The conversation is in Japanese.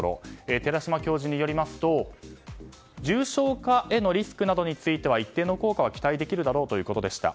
寺嶋教授によりますと重症化へのリスクなどについては一定の効果は期待できるだろうということでした。